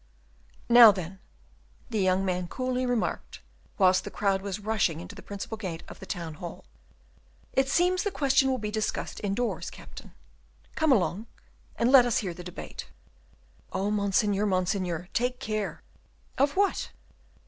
"Now, then," the young man coolly remarked, whilst the crowd was rushing into the principal gate of the Town hall, "it seems the question will be discussed indoors, Captain. Come along, and let us hear the debate." "Oh, Monseigneur! Monseigneur! take care!" "Of what?"